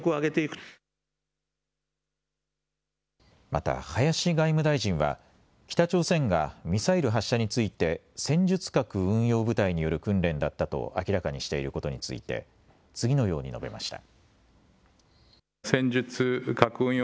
また林外務大臣は北朝鮮がミサイル発射について戦術核運用部隊による訓練だったと明らかにしていることについて次のように述べました。